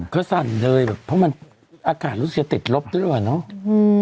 เขาสั่นเลยเพราะมันอากาศรู้เสียติดลบด้วยกว่าเนาะ